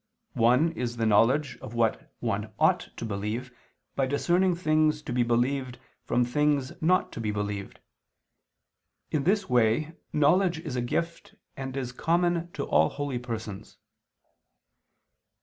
One is the knowledge of what one ought to believe by discerning things to be believed from things not to be believed: in this way knowledge is a gift and is common to all holy persons.